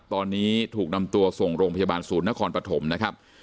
ตอนนี้ถูกนำตัวส่งโรงพยาบาลศูนย์นครปฐมนะครับ